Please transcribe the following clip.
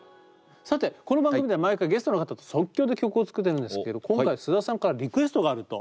さてこの番組では毎回ゲストの方と即興で曲を作っているんですけど今回須田さんからリクエストがあると。